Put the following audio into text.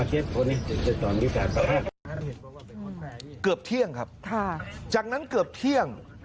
เกือบเที่ยงครับจากนั้นเกือบเที่ยง